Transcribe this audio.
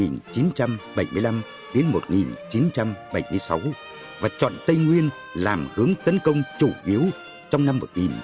năm một nghìn chín trăm bảy mươi năm đến một nghìn chín trăm bảy mươi sáu và chọn tây nguyên làm hướng tấn công chủ yếu trong năm một nghìn chín trăm bảy mươi năm